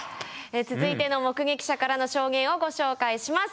続いての目撃者からの証言をご紹介します。